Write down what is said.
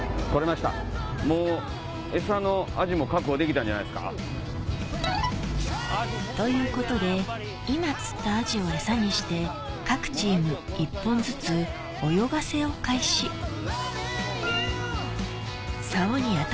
もうエサのアジも確保できたんじゃないですか？ということで今釣ったアジをエサにして各チーム１本ずつ泳がせを開始はい！